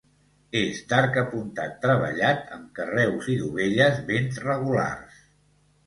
És d'arc apuntat treballat amb carreus i dovelles ben regulars.